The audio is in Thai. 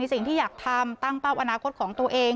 สิ่งที่อยากทำตั้งเป้าอนาคตของตัวเอง